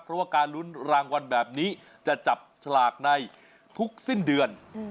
เพราะว่าการลุ้นรางวัลแบบนี้จะจับฉลากในทุกสิ้นเดือน